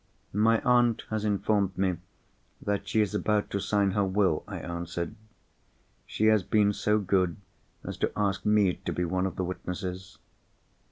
"My aunt has informed me that she is about to sign her Will," I answered. "She has been so good as to ask me to be one of the witnesses."